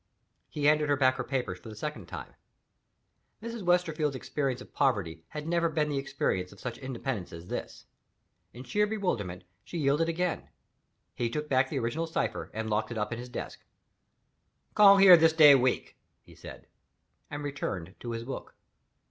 He handed her back her papers for the second time. Mrs. Westerfield's experience of poverty had never been the experience of such independence as this. In sheer bewilderment, she yielded again. He took back the original cipher, and locked it up in his desk. "Call here this day week," he said and returned to his book.